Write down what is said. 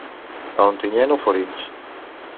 A Ontinyent, alforins.